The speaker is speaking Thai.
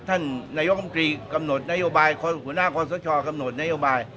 ท่านนายกรมกรีกำหนดนโยบายขุนาคคสชกำหนดนโยบาย